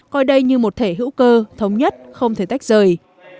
coi đây như một thẻ hữu cơ thống nhất không thể tách rời